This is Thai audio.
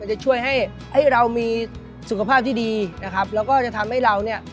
จะช่วยให้ให้เรามีสุขภาพที่ดีนะครับแล้วก็จะทำให้เราเนี่ย